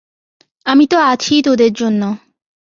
আমি তো আছিই তোদের জন্য।